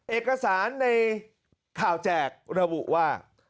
เอกสารในข่าวแจกระบุว่า